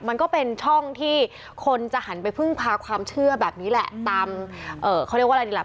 มันก็เป็นช่องที่คนจะหันไปพึ่งพาความเชื่อแบบนี้แหละตามเขาเรียกว่าอะไรดีล่ะ